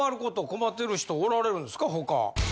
困ってる人おられるんですか他。